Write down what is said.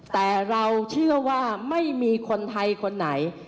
แต่เราเชื่อว่าไม่มีคนไทยคนไหน